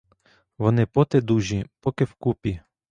Вони поти дужі, поки вкупі.